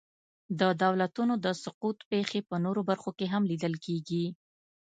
د دولتونو د سقوط پېښې په نورو برخو کې هم لیدل کېږي.